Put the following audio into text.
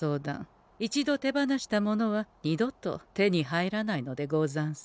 一度手放したものは二度と手に入らないのでござんす。